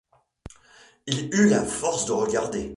Il eut la force de regarder.